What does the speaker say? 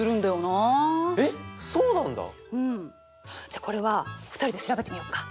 じゃあこれは２人で調べてみようか？